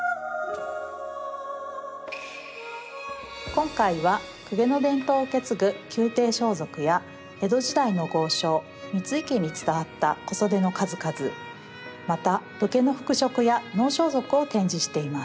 今回は公家の伝統を受け継ぐ宮廷装束や江戸時代の豪商三井家に伝わった小袖の数々また武家の服飾や能装束を展示しています。